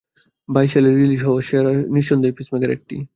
বাইশ সালের রিলিজ হওয়া সেরা সিরিজগুলার মধ্যে নিঃসন্দেহে পিসমেকার একটি।